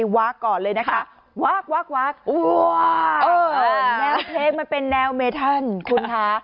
ว๊ากก่อนเลยนะครับว๊ากว๊ากว๊ากแนวเพลงมันเป็นแนวเมธันคุณฮะ